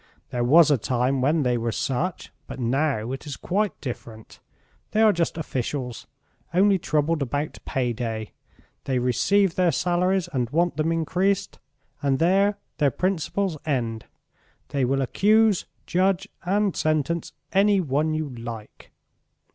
There was a time when they were such, but now it is quite different. They are just officials, only troubled about pay day. They receive their salaries and want them increased, and there their principles end. They will accuse, judge, and sentence any one you like."